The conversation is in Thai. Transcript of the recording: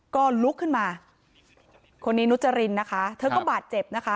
ก็ลุกขึ้นมาคนนี้นุจรินนะคะเธอก็บาดเจ็บนะคะ